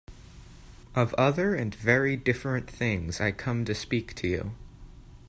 Of other and very different things I come to speak to you.